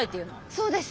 そうです。